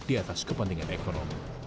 di atas kepentingan ekonomi